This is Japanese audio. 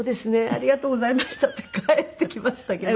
ありがとうございました」って帰ってきましたけど。